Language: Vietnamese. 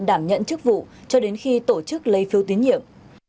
đảm nhận chức vụ cho đến khi tổ chức lấy phiếu tín nhiệm